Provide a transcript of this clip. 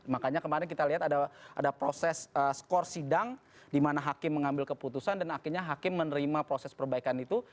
makanya kemarin kita lihat ada proses skor sidang di mana hakim mengambil keputusan dan akhirnya hakim menerima proses perbaikan itu